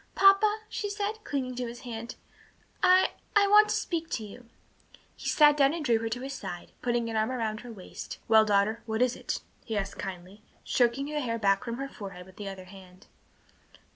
"Papa," she said, clinging to his hand, "I I want to speak to you." He sat down and drew her to his side, putting an arm about her waist. "Well, daughter, what is it?" he asked kindly, stroking the hair back from her forehead with the other hand.